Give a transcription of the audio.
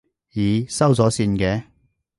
咦，收咗線嘅？